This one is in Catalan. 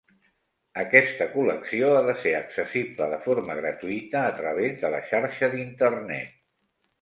Aquesta col·lecció ha de ser accessible de forma gratuïta a través de la xarxa d’Internet.